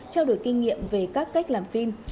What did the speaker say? trao đổi kinh nghiệm về các cách làm phim